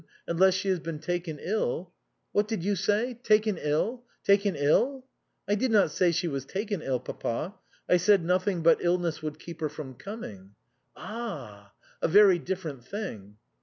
Unless she has been taken ill." " What did you say ? Taken ill ? Taken ill ?"" I did not say she was taken ill, papa ; I said nothing but illness would keep her from coming." " Ah, a very different thing."